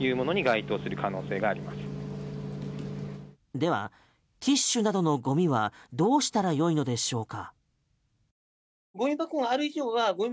では、ティッシュなどのゴミはどうしたらよいのでしょうか？